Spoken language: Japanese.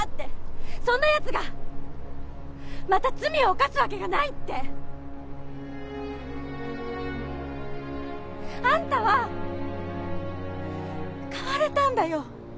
そんな奴がまた罪を犯すわけがないって！あんたは変われたんだよ！